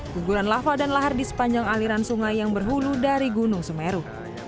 guguran lava dan lahar di sepanjang aliran sungai yang berhulu dari gunung semeru